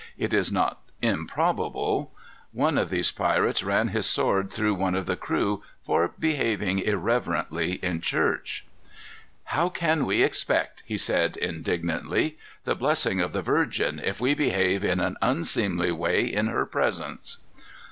It is not improbable. One of these pirates ran his sword through one of the crew for behaving irreverently in church. "How can we expect," he said indignantly, "the blessing of the Virgin, if we behave in an unseemly way in her presence?"